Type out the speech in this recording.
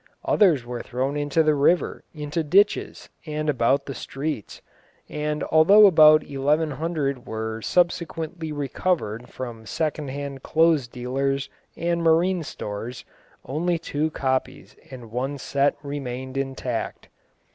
Others were thrown into the river, into ditches, and about the streets, and although about eleven hundred were subsequently recovered from second hand clothes dealers and marine stores, only two copies and one set remained intact.